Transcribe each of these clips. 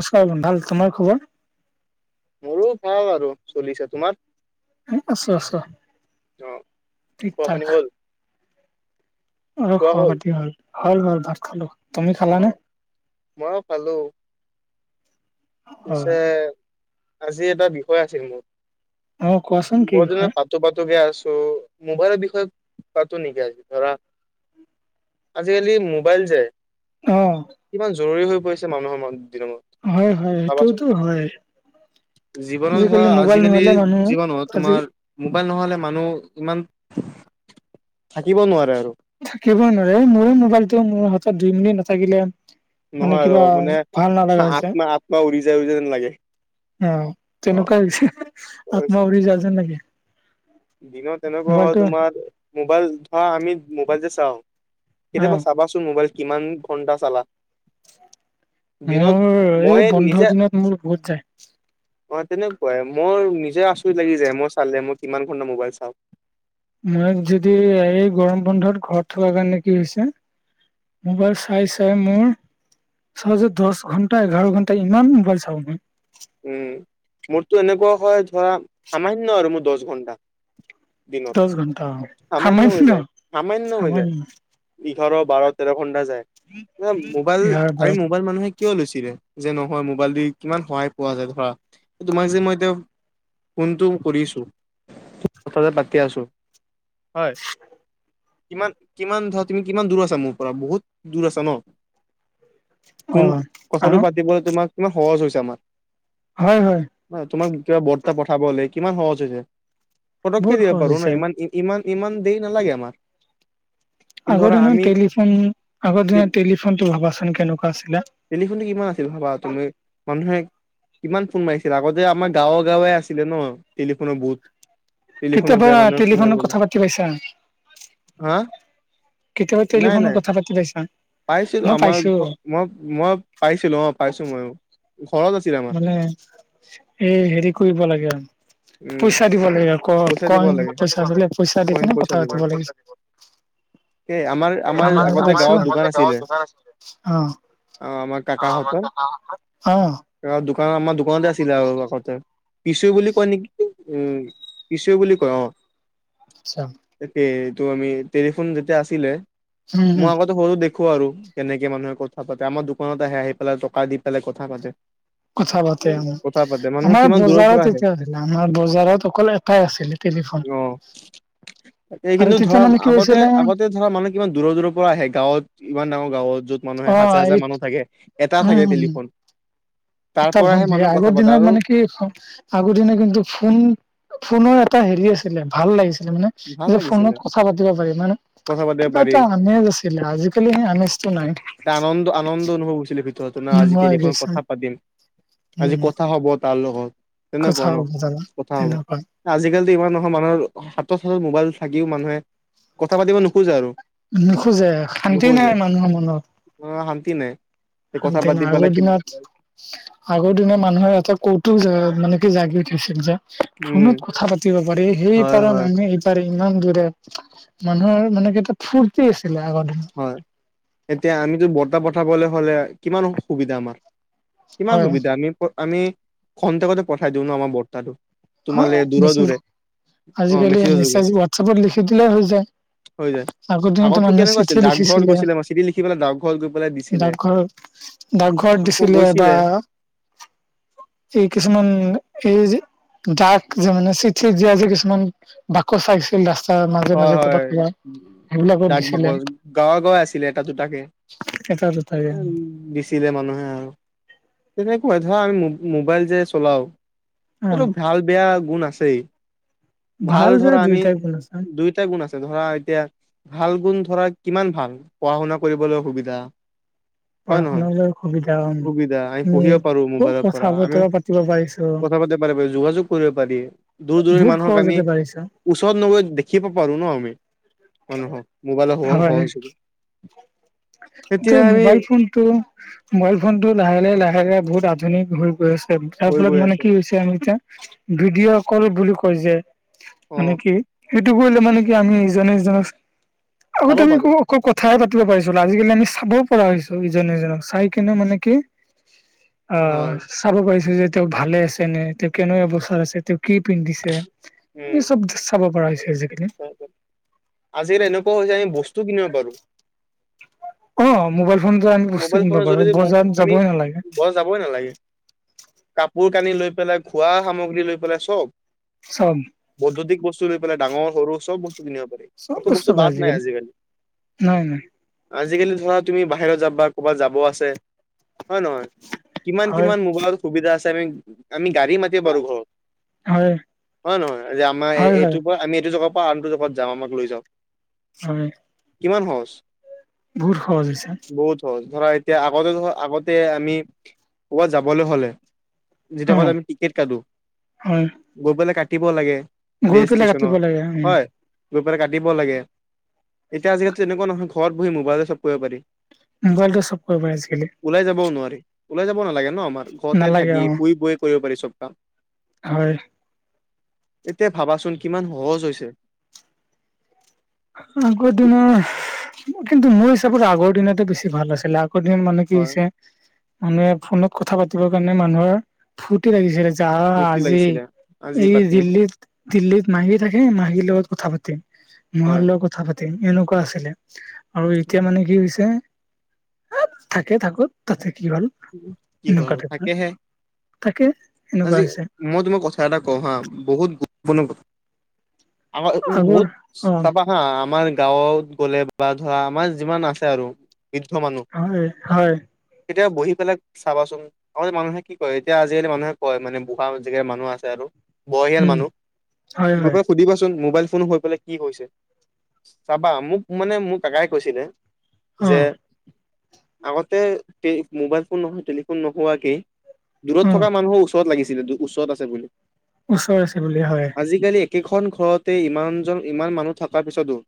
নমস্কাৰ, [unintelligible] ভাল। তোমাৰ খবৰ? মোৰো ভাল আৰু চলিছে। তোমাৰ? উ আছোঁ, আছোঁ অ ঠিক খোৱা পানী ঠাক। হ'ল অ' খোৱা খবৰ হ'ল পাতি ভাল। ভাল, ভাল। ভাত খালোঁ। তুমি খালানে? অ' মইয়ো পালোঁ। পিছে হয়, আজি এটা বিষয় আছিল মোৰ। অ' কোৱাচোন কি বিষয়। তোপা তোপি আছোঁ। মোবাইলৰ বিষয়ে পাতো নেকি আজি? ধৰা আজি-কালি মোবাইল যে অ' কিমান জৰুৰী হৈ পৰিছে মানুহৰ মন [unintelligible] হয়। হয়, ভাবাচোন সেইটোওতো হয়। জীৱনত ধৰা আজি-কালি মোবাইল আজিকালি নহ'লে মানুহ জীৱনত আজি তোমাৰ মোবাইল নহ'লে মানুহ ইমান থাকিব নোৱাৰে আৰু। থাকিবই নোৱাৰে। মোৰো মোবাইলটো মোৰ হাতত দুই মিনিট নাথাকিলে মানে নহয় আৰু কিবা মানে আত্মা, ভাল নালাগা হৈছে। আত্মা উৰি যায় উৰি যায় যেন লাগে। অ' তেনেকুৱাই হৈছে। অ আত্মা উৰি যোৱা যেন লাগে। দিনত তেনেকুৱা হয় মোবাইলটো তোমাৰ মোবাইল, ধৰা আমি মোবাইল যে চাওঁ। অ' কেতিয়াবা চাবাচোন মোবাইল কিমান ঘণ্টা চালা। দিনত মোৰ এ মই নিজে বন্ধৰ দিনত মোৰ বহুত যায়। অ' তেনেকুৱাই। মোৰ নিজে আচৰিত লাগি যায় মই চালে মই কিমান ঘন্টা মোবাইল চাওঁ। মই যদি এই গৰম বন্ধত ঘৰত থকা কাৰণে কি হৈছে। মোবাইল চাই চাই মোৰ চাওঁ যে দছ ঘণ্টা, এঘাৰ ঘণ্টা ইমান মোবাইল চাওঁ মই। উম, মোৰটো এনেকুৱা হয় ধৰা সামান্য আৰু মোৰ দছ ঘন্টা। দিনত, দহ ঘন্টা অ সামান্য হৈ যায়, সামান্য হৈ যায়। ইঘাৰ, বাৰ, তেৰ ঘন্টা যায়। [unintelligible] মোবাইল এঘাৰ বাৰ আমি মোবাইল মানুহে কিয় লৈছিলে যে নহয় মোবাইল দি কিমান সহায় পোৱা যায়। ধৰা তোমাক যে মই এতিয়াও ফোনটো কৰিছোঁ কথা যে পাতি আছোঁ। হয়। কিমান, কিমান ধৰা তুমি কিমান দূৰ আছা মোৰ পৰা? বহুত দূৰ আছা ন? অ ফোন কথাটো আৰু পাতিবলে তোমাক কিমান সহজ হৈছে আমাৰ। হয়, হয়। [unintelligible] তোমাক কিবা বৰ্তা পঠাবলে কিমান সহজ হৈছে। পটককে বহুত দিব সহজ পাৰো না। হৈছে ইমান ই ইমান ইমান দেই নালাগে আমা আগৰ দিনত টেলিফোন আগৰ দিনত টেলিফোন টো ভাবাচোন কেনেকুৱা আছিলে টেলিফোনটো কিমান আছিল ভাবা তুমি মানুহে কিমান ফোন মাৰিছিলে আগতে আমাৰ গাঁৱ গাঁৱে আছিলে ন টেলিফোনৰ বুট টেলিফোনত কেতিয়াবা যায় মানুহে কোনবাই টেলিফোনত কলে কথা পাতি পাইছা হা কেতিয়াবা নাই টেলিফোনত নাই কথা পাতি পাইছা পাইছিলো মই আমাৰ পাইছো মই মই পাইছিলো অ পাইছো মই ঘৰত আছ মানে এই হেৰি কৰিব লাগে আৰ উম পইচা দিব লাগে কৰ পইচা দিব কইন লাগে পইচা আছিলে পইচা দি কইন পিনে পইচা কথা দিব লাগে পাতিব লাগিছিল এ আমাৰ আমাৰ আমা আগতে গাঁৱত আমাৰ দোকান জ আছিলে গাওঁত যে দোকান অ আছিলে আমাৰ আৰু আমাৰ [inaudible] অ অ দোকান আমাৰ দোকানতে আছিলে আউ আগতে পি চি ইউ বুলি কয় নেকি উ পি চি ও বুলি কয় অ আচ্ছা তাকেই এইটো আমি টেলিফোন যেতিয়া আছিলে উম মই উম আগতে সৰু দেখ খো আৰু কেনেকে মানুহে কথা পাতে আমাৰ দোকানত আহে আহি পেলাই টকা দি পেলাই কথা পাতে কথা পাতে কথা পাতে আমাৰ মানুহে আমাৰ কিমান দূৰৰ পৰা বজাৰত আহে তেতিয়া আছিলে আমাৰ বজাৰত অকল এটাই আছিলে টেলিফোন অ তাকে আৰু কিন্তু তেতিয়া মানে ধৰক কি আগতে হৈছিলে আগতে ধৰা মানুহ কিমান দূৰ দূৰ পৰা আহে গাঁৱত ইমান ডাঙৰ গাৱত যত অ মানুহে হাজাৰ এই হাজাৰ মানুহ থাকে এটা উম থাকে উম টেলিফোন তাৰ এটা ফ্ণ পৰাহে থাকে মানুহে কথা আগৰ পাতে দিনত আৰু মানে কি আগৰ দিনত কিন্তু ফোন ফোনৰ এটা হেৰি আছিলে ভাল লাগিছিলে মানে ভাল যে লাগিছিলে ফোনত কথা পাতিব পাৰি মানে কথা পাতিব কিবা পাৰি এটা আমেজ আছিলে আজিকালি সেই আমেজটো নাই এ আনন্দ আনন্দ অনুভৱ হৈছিলে ভিতৰত ন আজি নোহোৱা হৈ টেলিফোনত গৈছে কথা পাতিম আজি উম কথা হ'ব তাৰ লগত কথা তেনেকুৱা ন বতৰা কথা তেনেকুৱা হ'ব আজিকালো ইমান নহয় মানুহৰ হাতত হাতত মোবাইল থাকিও মানুহে কথা পাতিব নোখোজে আৰু নোখোজে শান্তি নোখোজে নাই মানুহৰ মনত অ শান্তি নাই কথা অন্তে পাতি নাই পেলাই আগৰ কিবা দিনত আগৰ দিনৰ মানুহে এটা কৌতুক যে মানে কি জাগি উঠিছিল যে উম ফোনত কথা পাতিব পাৰি হয় সেইপাৰৰ হয় মানুহে এই পাৰি ইমান দূৰে মানুহৰ মানে কি এটা ফূৰ্তি আছিলে আগৰ দিনত হয় এতিয়া আমিতো বৰ্তা পঠাবলে হ'লে কিমান সুবিধা আমাৰ কিমান হয় সুবিধা আমি প আমি খন্তেকতে পঠাই দিওঁ ন আমাৰ বৰ্তাটো হয় তোমালে দূৰে বেছি দূৰে অ আজিকালি মেছেজৰ যোগে মেছেজ ৱাটছপত লিখি দিলে হৈ যায় হৈ যায় আগৰ দিনততো আগতো মানুহে কেনেকুৱা চিঠ আছিল ঠি ডাকঘৰত লিখিছিলে গৈছিলে মই চিঠি লিখি পেলাই ডাকঘৰত গৈ পেলাই দিছিলে ডাকঘৰ ডাকঘৰত আকৌ দিছিলে বা গৈছিলে এই কিছুমান এই যে ডাক যে মানে চিঠি দিয়া যে কিছুমান বাক কচাইছিল ৰাস্তা মাজে হয় মাজে ক'ৰবাত হয় ক'বাত ডাক বাকচ গাঁৱা গাঁৱে আছিলে এটা দুটাকে এটা উ দুটাকে দিছ ছিলে মানুহে আৰু তেনেকুৱাই ধৰা আমি মো মোবাইল যে চলাও অ এইটো ভাল বেয়া গুণ আছেই ভাল বেয়া ধৰা আমি দুয়োটাই গুণ আছে দুইটাই গুণ আছে ধৰা এতিয়া ভাল গুণ ধৰা কিমান ভাল পঢ়া - শুনা কৰিবলৈ সুবিধা হয় পঢ়া নহয় শুনালৈ সুবিধা হম সুবিধা আমি পঢ়িব পাৰো মোবাইলৰ কথা পৰা, আমি বতৰা পাতিব পাৰিছো কথা পাতিব পাৰি, যোগাযোগ কৰিব পাৰি, দূৰ দূৰনী বহুত মানুহক আমি সহজতে পাৰিছো ওচৰত নগৈ দেখিব পাৰো ন আমি মানুহক, মোবাইলৰ সহ সহযোগী এ মোবাইল ফোনটো, মোবাইল ফোনটো লাহে লাহে লাহে লাহে বহুত আধুনিক হৈ গৈ আছে তে, তাৰ হৈ ফলত গৈ মানে আছে কি হৈছে আমি এতিয়া ভিডিঅ' কল বুলি কয় যে অ মানে কি সেইটো কৰিলে মানে কি আমি ইজনে সিজনক চাব আগতে আমি পাৰো ক'ও কোঁ কথাহে পাতিব পাৰি যোন আজিকালি আমি চাব পৰা হৈছো ইজনে সিজনক, চাই কিনে মানে কি অ হয় চ চাব পাৰিছো যে তেওঁক ভালে আছে নে তেওঁ কেনেক অৱস্থাৰ আছে তেওঁ কি পিন্ধিছে এই চব চাব পৰা হৈছে আজিকালি অ অ আজিকালি এনেকুৱা হৈ যায় আমি বস্তু কিনিব পাৰো অ মোবাইল ফোনত আমি বস্তু মোবাইল কিনিব ফোনৰ পাৰো, জৰিয়তে বজাৰত আমি যাবই নালাগে বজাৰ যাবই নালাগে, কাপোৰ কানি লৈ পেলাই, খোৱা সামগ্ৰী লৈ পেলাই চব চব বৈদুতিক বস্তু লৈ পেলাই ডাঙৰ সৰু চব বস্তু কিনিব পাৰি একো বস্তু বাত নাই আজিকালি নাই নাই আজিকালি ধৰা তুমি বাহিৰত যাবা, ক'বাত যাব আছে হয় নহয় কিমান হয় কিমান মোবাইলত সুবিধা আছে আমি আমি গাড়ী মা কে বাৰু ঘৰত হয় হয় নহয় যে আমাৰ এ এ হয় হয় এইটোৰ পৰা আমি এইটো জ পা আনটো জগাত যাম আমাক লৈ যাওক হয় কিমান সহজ বহুত সহজ হৈছে ত ধৰা এতিয়া আগতে ধৰা আগতে আমি ক'ৰবাত যাবলৈ হ'লে অ যেতিয়া মানে আমি টিকেট কাটো, হয় গৈ পেলাই কাটিব লাগে গৈ ৰেল পেলাই কাটিব ষ্ট্ৰেচনৰ লাগে উম হয় গৈ পেলাই কাটিব লাগে, এতিয়া আজিকালিতো তেনেকুৱা নহয় ঘৰত বহি মোবাইলে চব কৰিব পাৰি মোবাইলটো চব কৰিব পাৰে আজিকালি ওলাই যাবও নোৱাৰি, ওলাই যাব নালাগে ন আমাৰ ঘৰতে নালাগে থাকি অ শুই বয়ে কৰিব পাৰি চব কাম হয় এতিয়া ভাবাচোন কিমান সহজ হৈছে আগৰ দিনৰ হা কিন্তু মোৰ হিচাপত আগৰ দিনাতে বেছি ভাল আছিলে আ ক দিন মানুহ কি হয় হৈছে, মানুহে ফোনত কথা পাতিবৰ কাৰণে মানুহৰ ফুৰ্তী লাগিছিল যাহ ফূৰ্তি আজি লাগিছিলে আজি এই পাতিম দিল্লীত দিল্লীত মাহী থাকে মাহীৰ লগত কথা পাতিম মাৰ হয় লগ কথা পাতিম এনেকুৱা আছিলে আৰু এতিয়া মানে কি হৈছে আব থাকে থাকো তাতে কি ভাল কি হল থাকেহে তাকে এনেকুৱা হৈছে মই তোমাক কথা এটা কওঁ হা, বহুত গুৰুত্বপূৰ্ণ কথা আমাৰ উ উ আগৰ বহুত অ চাবা হা আমাৰ গাঁৱত গ'লে বা ধৰা আমাৰ যিমান আছে আৰু বৃদ্ধ মানুহ হয় হয় কেতিয়াও বহি পেলাক চাবাচোন, আগতে মানুহে কি কৰে এতিয়া আজিকালি মানুহে হয় মানে বুঢ়া জেগাৰ মানুহ আছে আৰু। বয়সিয়াল উম মানুহ, হয় গৈ হয় পেলাই সুধিবাচোন মোবাইল ফোনো হৈ পেলাই কি হৈছে? চাবা মোক মানে মোৰ কাকাই কৈছিলে, অ যে আগতে তে মোবাইল ফোন নহোৱা টেলিফোন নোহোৱাকে। অ দূৰত থকা মানুহো ওচৰত লাগিছিলে ওচৰত আছে বুলি। ওচৰত আছে বুলি হয়। আজিকালি একেখন ঘৰতে ইমানজন ইমান মানুহ থকাৰ পিছতো।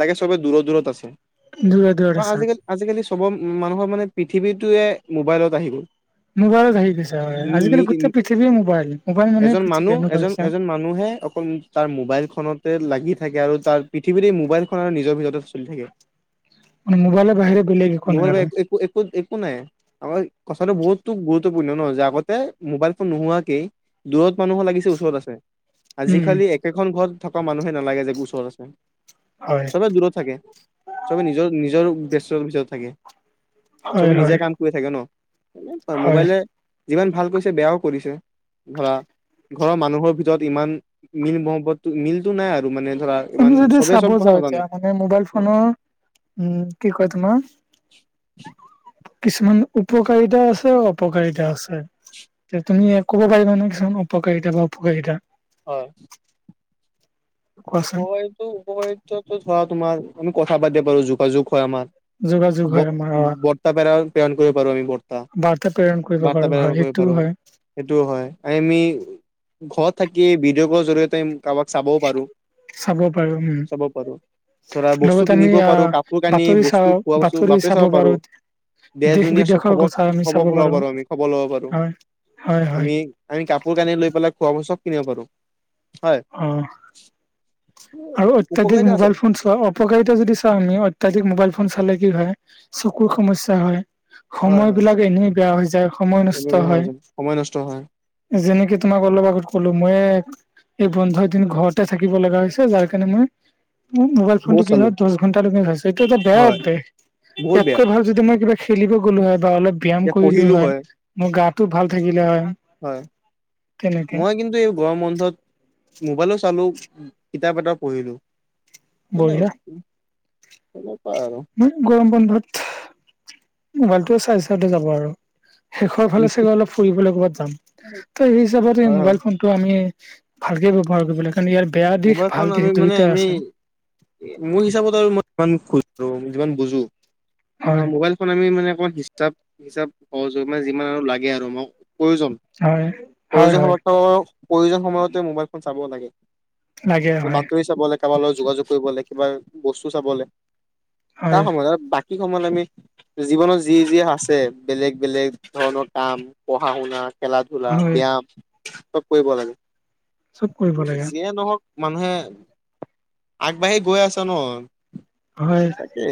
লাগে চবে দূৰত দূৰত আছে। দূৰত দূৰত কাৰন আছা আজিকালি আজিকালি চবৰ মানুহৰ মানে পৃথিৱীটোৱে মোবাইলত আহি গ'ল। মোবাইলত আহি গৈছে হয়, নি আজিকালি গোটেই পৃথিৱী মোবাইল, মোবাইল মনেই এজন পৃথিৱী মানুহ এনেকুৱা এজন হৈছে। এজন মানুহে অকল তাৰ মোবাইল খনতে লাগি থাকে আৰু তাৰ পৃথিৱীতে মোবাইল খন আৰু নিজৰ ভিতৰতে চলি থাকে। মানে মোবাইলৰ বাহিৰে বেলেগ একো নাই নহয় বা আৰু একো এ কো একো নাই আমাৰ কথাটো বহুতো গুৰুত্বপূৰ্ণ ন' যে আগতে মোবাইল ফোন নোহোৱাকেই, দূৰত মানুহো লাগিছে ওচৰত আছে, উম আজিকালি একে খন ঘৰত থকা মানুহে নালাগে যে ওচৰত আছে, হয় চবে দূৰত থাকে। চবে নিজৰ নিজৰ ব্যস্ত ভিতৰত থাকে, চবে হয় নিজে হয় কাম কৰি থাকে ন'। সেনেকুৱাই হয় মোবাইলে যিমান ভাল কৰিছে বেয়াও কৰিছে, ধৰা ঘৰৰ মানুহৰ ভিতৰত ইমান মিল মহাবাত টো মিলটো নাই আৰু মানে ধৰা আমি ইমান যদি চবে চাব চব কথা যাওঁ নাজানে এতিয়া মানে মোবাইল ফোনৰ উম, কি কয় তোমাৰ। কিছুমান উপকাৰিতা আছে আৰু অপকাৰিতা আছে। তে তুমি ক'ব পাৰিবা নে কিছুমান উপকাৰিতা বা অপকাৰিতা? হয়। কোৱাচোন? উপকাৰি টো উপকাৰিতাটো ধৰা তোমাৰ আমি কথা পাতি পাৰো যোগাযোগ হয় আমাৰ। যোগাযোগ হয় আমাৰ অ বৰ্তা পে-প্ৰেৰণ কৰিব পাৰো আমি বৰ্তা। বাৰ্তা প্ৰেৰণ কৰিব পাৰো বাৰ্তা হয় প্ৰেৰণ কৰিব সেইটোও পাৰো। হয়। সেইটো হয়, আমি ঘৰত থাকি ভিডিঅ' ক'ল জৰিয়তে আমি কাৰোবাক চাবও পাৰো। চাব পাৰো উম। চাব পাৰো ধৰা বস্তু লগত আমি কিনিব পাৰো, আহ কাপোৰ কানি বাতৰি বস্তু চাওঁ খোৱা বস্তু, বাতৰি চাব পাৰো। দেশ দুনিয়াৰ চব বিদেশৰ খবৰ কথা আমি চাব খবৰ ল'ব পাৰো আমি, খবৰ ল'ব পাৰো হয় হয় হয় আমি আমি কাপোৰ কানি লৈ পেলাই খোৱা [unintelligible] চব কিনিব পাৰো হয়। অ'। আৰু অত্যাধিক উপকাৰিতা আছে মোবাইল ফোন অপকাৰিতা যদি চাওঁ আমি অত্যাধিক মোবাইল ফোন চালে কি হয় চকুৰ সমস্যা হয়। সময় বিলাক এনেই বেয়া হৈ যায়। সময় নষ্ট এনেই বেয়া হৈ হয়। যাই, সময় নষ্ট হয়। যেনেকে তোমাক অলপ আগত ক'লো মইে এই বন্ধৰ দিন ঘৰতে থাকিব লগা হৈ হৈছে। যাৰকাৰনে মই মোবাইল ফোনটো বহুত কি চালো হয় দহ ঘন্টালৈকে হৈছে এইটো এটা বেয়া হয় অভ্যাস, বহুত ইয়াত বেয়া কৈ ভাল যদি মই কিবা খেলিব গ'লো হয় বা অলপ ব্যয়াম এতিয়া কৰিলো পঢ়িলো হয়, মোৰ গাটো ভাল থাকিলে হয়। হয়, তেনেকে মই কিন্তু এই গৰম বন্ধত মোবাইলো চালো কিতাপ এটাউ পঢ়িলো, কিন্তু বঢ়িয়া তেনেকোৱা আৰু। মই গৰম বন্ধত মোবাইলটো চাই চাওঁতে যাব আৰু। শেষৰ ফালে চাগে অলপ ফুৰিবলৈ ক'বাত যাম, ত' সেই হিচাপত এই হয় হয় মোবাইল ফোন টো আমি ভালকে ব্যৱহাৰ কৰিব লাগে, কাৰণ ইয়াৰ বেয়া দিশ ভাল দিশ দুয়োটাই আছে। এ মোৰ হিচাপত আৰু মই যি খোজো যিমান বুজো, হয় মোবাইল খন আমি মানে অক হিচাপ হিচাপ সহজো মানে যিমান আৰু লাগে আৰু মোক প্ৰয়োজন হয়, হয় হয়। ত প্ৰয়োজন সময়তে মোবাইল ফোন চাব লাগে। লাগে হয় বাতৰি চাবলে কাবাৰ লগত যোগাযোগ কৰিব লগে কিবা বস্তু চাবলে, তাৰ হয় সময়ত বা কি কমল আমি জীৱনত যি যি আছে বেলেগ বেলেগ ধৰণৰ কাম পঢ়া শুনা খেলা ধূলা হয় ব্যয়াম চব কৰিব লাগে। চব কৰিব লাগে। যিয়ে নহওক মানুহে আগবাঢ়ি গৈ আছে ন। হয় এ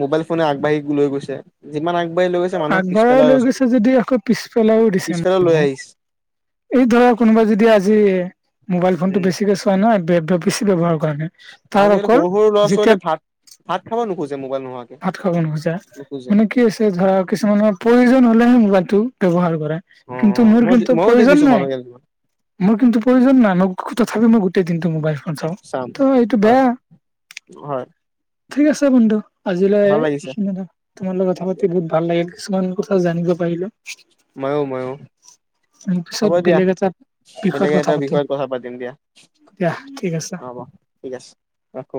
মোবাইল ফোনে আগবাঢ়ি লৈ গৈছে। যিমান আগবাঢ়ি লৈ গৈছে মানুহক পিছ আগবঢ়াই পেলাই লৈ গৈছে বহু যদি আকৌ পিছফালেও দিছে পিছ পেলাই লৈ মানুহ আহিছে। এই ধৰা কোনোবাই যদি আজি মোবাইল ফোন টো উম বেছিকে চোৱা নাই বেছি ব্যৱহাৰৰ কৰাকে আজিকালি সৰু সৰু ল'ৰা ছোৱালীয়ে ভাত ভাত খাব নোখোজে মোবাইল নোহোৱাকে। ভাত খাব নোখোজা নোখোজে মানে কি আছে ধৰা কিছুমানৰ প্ৰয়োজন হলেহে মোবাইলটো ব্যৱহাৰ কৰে। অ অ কিন্তু মোৰ মই কিন্তু ময়ো প্ৰয়োজন দেখিছো মানুহ নাই। কেইজনমান মোৰ কিন্তু প্ৰয়োজন নাই মোক তথাপিও মই গোটেই দিনটো মোবাইল ফোন চাওঁ। চাম ত এইটো হয় বেয়া। হয়। ঠিক আছে বন্ধু। আজিলৈ ভাল লাগিছে এইখিনিয়েই তোমাল লগ কথা পাতি বহুত ভাল লাগিল কিছুমান কথা জানিব পাৰিলো। ময়ো ময়ো। উম পিছত বেলেগ এটা বিষয়ত বেলেগে কথা এটা পাতিম বিষয়ত কথা পাতিম দিয়া দিয়া ঠিক আছে। হব। ঠিক আছে ৰাখো।